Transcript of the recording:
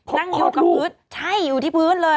นั่งอยู่กับพื้นใช่อยู่ที่พื้นเลย